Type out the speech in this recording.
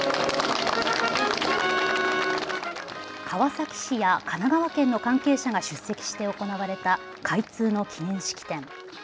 川崎市や神奈川県の関係者が出席して行われた開通の記念式典。